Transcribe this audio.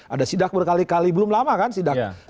ada sidak berkali kali belum lama kan sidak